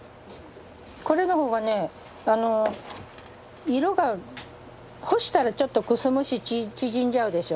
これの方がねあの色が干したらちょっとくすむし縮んじゃうでしょ？